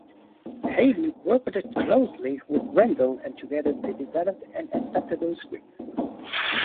Hailey worked closely with Randall and together they developed an acceptable script.